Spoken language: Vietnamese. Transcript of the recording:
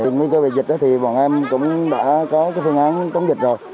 với cái về dịch đó thì bọn em cũng đã có cái phương án cống dịch rồi